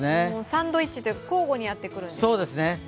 サンドイッチというか、交互にやってくるんですね。